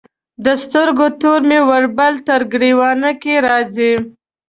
د سترګو تور مي ولاړل تر ګرېوانه که راځې